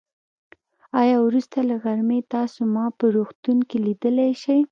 آيا وروسته له غرمې تاسو ما په روغتون کې ليدای شئ.